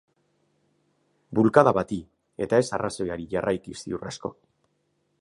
Bulkada bati eta ez arrazoiari jarraiki ziur asko.